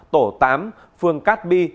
tổ tám phường cát bi